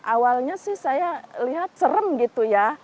awalnya sih saya lihat serem gitu ya